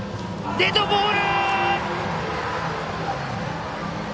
デッドボール！